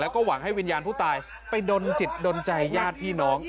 แล้วก็หวังให้วิญญาณผู้ตายไปดนจิตดนใจญาติพี่น้อง